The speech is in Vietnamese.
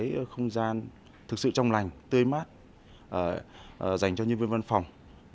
cái không gian thực sự trong lành tươi mát dành cho nhân viên văn phòng